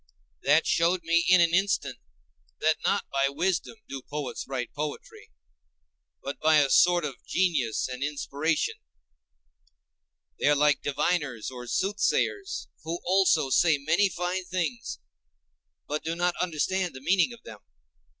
That showed me in an instant that not by wisdom do poets write poetry, but by a sort of genius and inspiration; they are like diviners or soothsayers who also say many fine things, but do not understand the meaning of them.